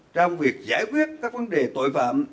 trong việc giải quyết các vấn đề tội phạm